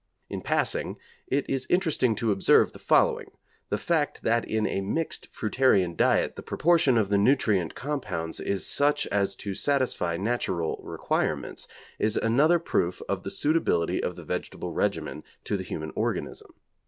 In passing, it is interesting to observe the following: the fact that in a mixed fruitarian diet the proportion of the nutrient compounds is such as to satisfy natural requirements is another proof of the suitability of the vegetable regimen to the human organism.